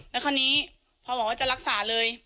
แล้วคราวนี้พอบอกว่าจะรักษาเลย